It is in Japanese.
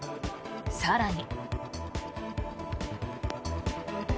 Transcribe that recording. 更に。